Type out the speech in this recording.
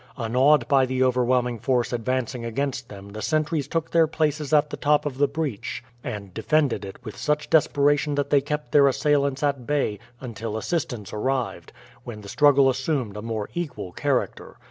Unawed by the overwhelming force advancing against them the sentries took their places at the top of the breach, and defended it with such desperation that they kept their assailants at bay until assistance arrived, when the struggle assumed a more equal character.